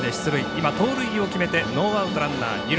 今、盗塁を決めてノーアウト、ランナー、二塁。